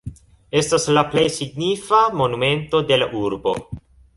Estas la plej signifa monumento de la urbo.